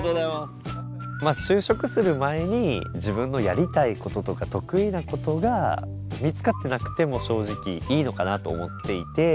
就職する前に自分のやりたいこととか得意なことが見つかってなくても正直いいのかなと思っていて。